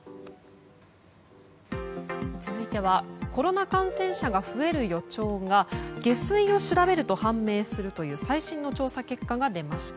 続いてはコロナ感染者が増える予兆が下水を調べると判明するという最新の調査結果が出ました。